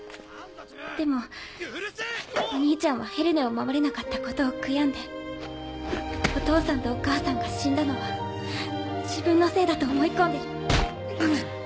でもお兄ちゃんはヘルネを守れなかったことを悔やんでお父さんとお母さんが死んだのは自分のせいだと思い込んでる。